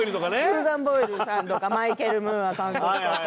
スーザン・ボイルさんとかマイケル・ムーア監督とか。